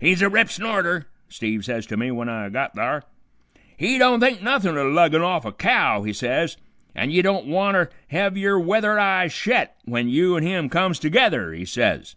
"'He's a rip snorter,' Steve says to me, w'en I got thar. 'He don't think nuthin' o' luggin' off a cow,' he says, 'an' ye don't wanter hev yer weather eye shet w'en you an' him comes together,' he says.